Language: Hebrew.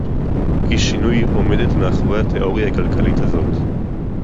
כי שינוי עומדת מאחורי התיאוריה הכלכלית הזאת